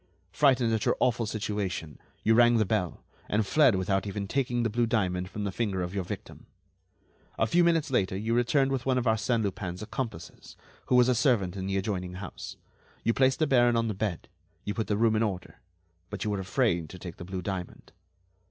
Frightened at your awful situation, you rang the bell, and fled without even taking the blue diamond from the finger of your victim. A few minutes later you returned with one of Arsène Lupin's accomplices, who was a servant in the adjoining house, you placed the baron on the bed, you put the room in order, but you were afraid to take the blue diamond.